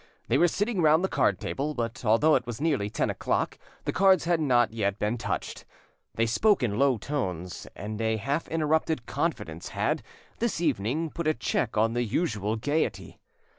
They were sitting round the card table, but although it was nearly ten o'clock the cards had not yet been touched. They spoke in low tones, and a half interrupted confidence had, this evening, put a check on the usual gaiety.